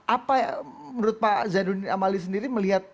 apa menurut pak zainuddin amali sendiri melihat